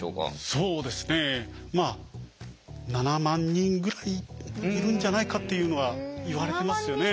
そうですねまあ７万人ぐらいいるんじゃないかっていうのはいわれてますよね。